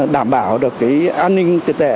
đảm bảo được an ninh tiền tệ